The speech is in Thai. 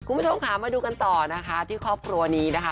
คุณผู้ชมค่ะมาดูกันต่อนะคะที่ครอบครัวนี้นะคะ